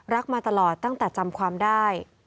มาตลอดตั้งแต่จำความได้